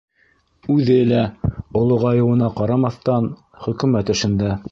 Үҙе лә, олоғайыуына ҡарамаҫтан, хөкүмәт эшендә.